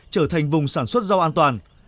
trở thành vùng sản xuất rau an toàn